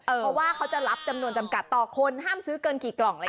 เพราะว่าเขาจะรับจำนวนจำกัดต่อคนห้ามซื้อเกินกี่กล่องเลยค่ะ